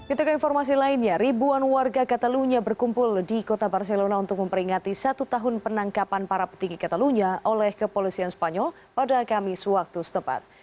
itu ke informasi lainnya ribuan warga katalunya berkumpul di kota barcelona untuk memperingati satu tahun penangkapan para petinggi catalunya oleh kepolisian spanyol pada kamis waktu setempat